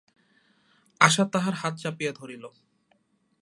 আশা তাহার হাত চাপিয়া ধরিল।